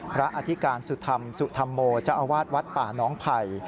พระอธิกายสุธรรมสุธรมโหมจาวาดวัดป่าน้องไผ่